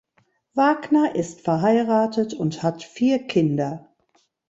Wagner ist verheiratet und hat vier Kinder.